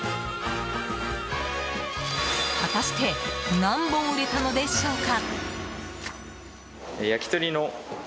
果たして何本売れたのでしょうか。